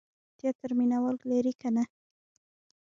تیاتر مینه وال لري که نه؟